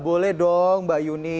boleh dong mbak yuni